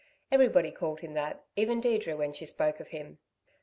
Everybody called him that even Deirdre when she spoke of him.